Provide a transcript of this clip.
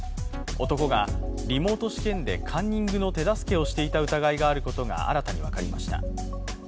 男がリモート試験でカンニングの手助けをしていた疑いがあることが新たに分かりました。